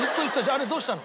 あれどうしたの？